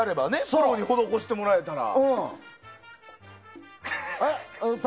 プロに施してもらえたら。